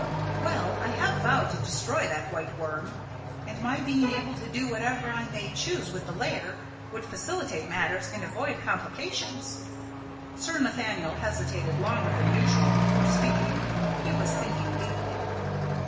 "Well, I have vowed to destroy that White Worm, and my being able to do whatever I may choose with the Lair would facilitate matters and avoid complications." Sir Nathaniel hesitated longer than usual before speaking. He was thinking deeply.